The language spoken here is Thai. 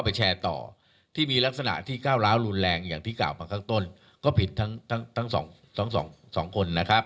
สามารถถ่ายจากท่านด้านใกล้แล้วไปแชร์ต่อโลกนี้